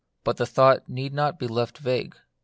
But the thought need not be left vague.